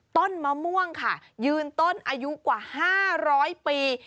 ต้นมะม่วงค่ะยืนต้นอายุกว่า๕๐๐ปี